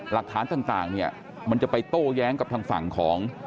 หลักฐานต่างเนี่ยมันจะไปโต้แย้งกับทางฝั่งของ